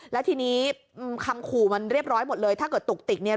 แล้วทีนี้คำขู่มันเรียบร้อยหมดเลยถ้าเกิดตุกติกเนี่ย